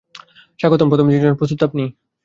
স্বাগতম, প্রথম দিনের জন্য প্রস্তুত আপনি?